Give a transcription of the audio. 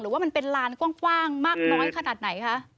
ว่ามันเป็นลานกว้างมากน้อยขนาดไหนคะ